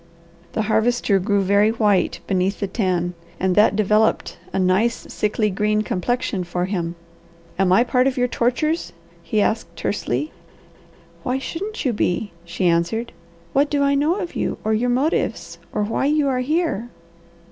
The Harvester grew very white beneath the tan, and that developed a nice, sickly green complexion for him. "Am I part of your tortures?" he asked tersely. "Why shouldn't you be?" she answered. "What do I know of you or your motives or why you are here?"